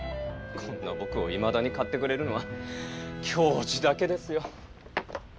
こんな僕をいまだに買ってくれるのは教授だけですよ。